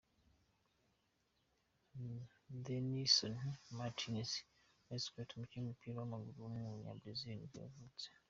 Denilson Martins Nascimento, umukinnyi w’umupira w’amaguru w’umunyabrazil nibwo yavutse.